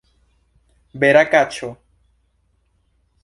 Vera kaĉo!